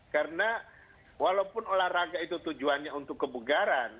karena walaupun olahraga itu tujuannya untuk kebugaran